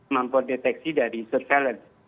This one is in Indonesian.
mampu deteksi dari surveillance